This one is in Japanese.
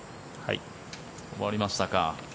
終わりましたか。